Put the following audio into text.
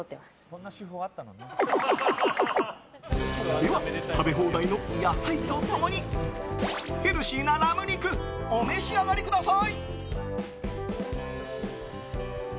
では、食べ放題の野菜と共にヘルシーなラム肉お召し上がりください。